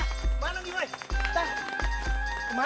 eh tuh ini siapa